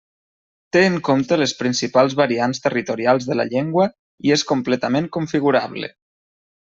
Té en compte les principals variants territorials de la llengua i és completament configurable.